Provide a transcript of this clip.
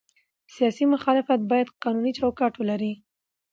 سیاسي مخالفت باید قانوني چوکاټ ولري